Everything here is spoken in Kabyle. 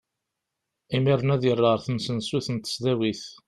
Imiren ad yerr ɣer temsensut n tesdawit.